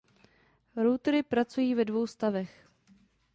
Routery pracují ve dvou stavech.